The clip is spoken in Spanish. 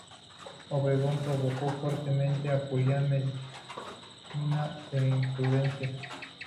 Obregón reprochó fuertemente a Julián Medina su imprudencia.